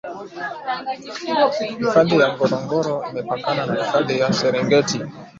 hifadhi ya ngorongor imepakana na hifadhi ya serengeti